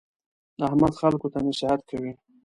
احمد خلکو ته نصیحت کوي.